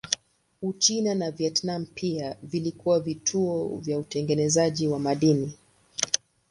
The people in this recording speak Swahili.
Uchina na Vietnam pia vilikuwa vituo vya utengenezaji wa madini.